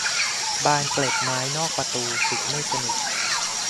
บานเกล็ดไม้นอกประตูปิดไม่สนิท